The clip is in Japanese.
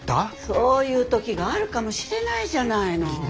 そういう時があるかもしれないじゃないの。